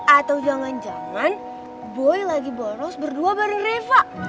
atau jangan jangan boy lagi boros berdua baru reva